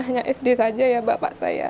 hanya sd saja ya bapak saya